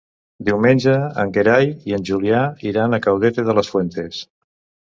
Diumenge en Gerai i en Julià iran a Caudete de las Fuentes.